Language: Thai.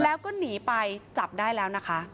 แล้วก็หนีไปจับได้แล้วนะคะ